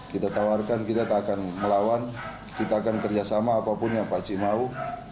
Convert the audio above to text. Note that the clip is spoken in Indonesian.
kita tawarkan kita tak akan melawan kita akan kerjasama apapun yang pak aci mau